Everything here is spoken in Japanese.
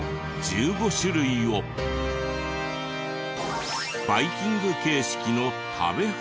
１５種類をバイキング形式の食べ放題。